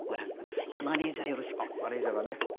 あっマネージャーがね。